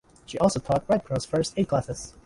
She also taught Red Cross first aid classes.